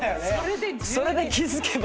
それで気付けば。